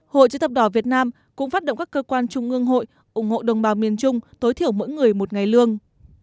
hội chữ thập đỏ việt nam cũng phát động các cơ quan trung ương hội ủng hộ đồng bào miền trung tối thiểu mỗi người một ngày lương